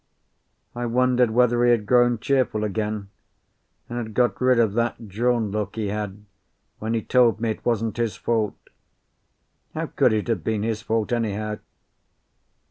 I wondered whether he had grown cheerful again, and had got rid of that drawn look he had when he told me it wasn't his fault. How could it have been his fault, anyhow?